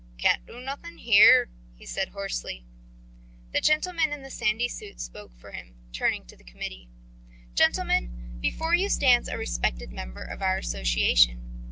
"Can't do nothin' here," he said hoarsely. The gentleman in the sandy suit spoke for him, turning to the committee. "Gentlemen, before you stands a respected member of our association.